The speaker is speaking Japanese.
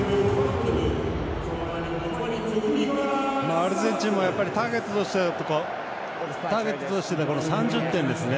アルゼンチンもターゲットとしていた３０点ですね。